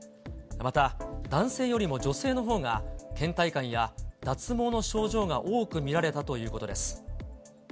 また、男性よりも女性のほうが、けん怠感や脱毛の症状が多く見られたということです。